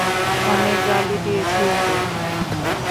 অনেক গালি দিয়েছি ওকে।